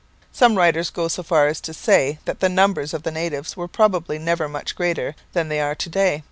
Some writers go so far as to say that the numbers of the natives were probably never much greater than they are to day.